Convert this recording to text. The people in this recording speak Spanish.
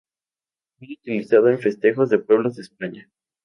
Muy utilizado en festejos de pueblos de España.